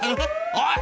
おい！